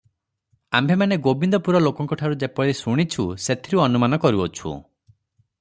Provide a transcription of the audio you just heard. ଆମ୍ଭେମାନେ ଗୋବିନ୍ଦପୁର ଲୋକଙ୍କଠାରୁ ଯେପରି ଶୁଣିଛୁ, ସେଥିରୁ ଅନୁମାନ କରୁଅଛୁଁ ।